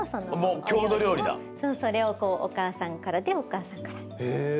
それをこうおかあさんからでおかあさんから。